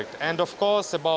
dan tentu saja